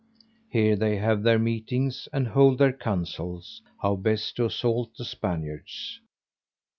Here they have their meetings, and hold their councils, how best to assault the Spaniards.